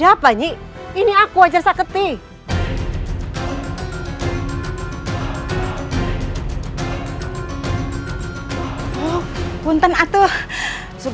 hasilnya tidak terdapat mas